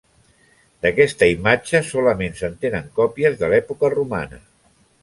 D'aquesta imatge solament se'n tenen còpies de l'època romana.